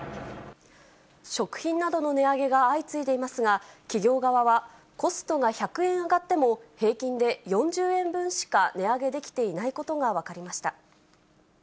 食品などの値上げが相次いでいますが、企業側はコストが１００円上がっても、平均で４０円分しか値上げできていないことが分かりました。